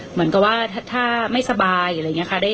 เหมือนกับว่าถ้าไม่สบายอะไรอย่างนี้ค่ะ